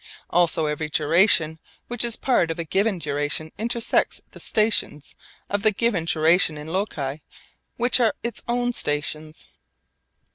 Also every duration which is part of a given duration intersects the stations of the given duration in loci which are its own stations.